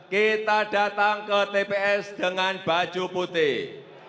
kita datang ke tps dengan baju putih